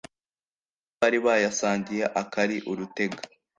abo bari bayasangiye akari urutega,